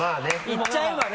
言っちゃえばね！